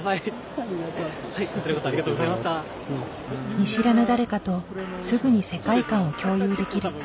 見知らぬ誰かとすぐに世界観を共有できる。